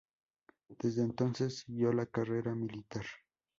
Desde entonces siguió la carrera militar.